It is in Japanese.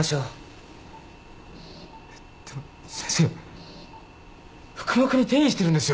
でも先生腹膜に転移してるんですよ。